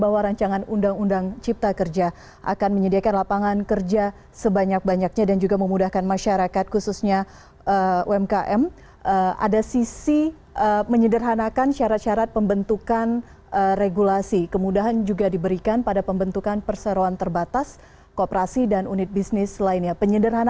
wassalamu'alaikum warahmatullahi wabarakatuh